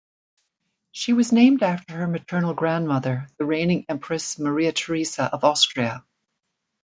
She was named after her maternal grandmother, the reigning Empress Maria Theresa of Austria.